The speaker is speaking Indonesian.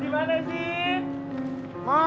masuk dimana sih